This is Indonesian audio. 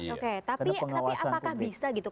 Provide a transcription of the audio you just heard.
oke tapi apakah bisa gitu